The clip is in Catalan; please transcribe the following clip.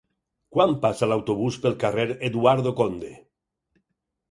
Quan passa l'autobús pel carrer Eduardo Conde?